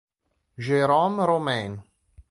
Jérôme Romain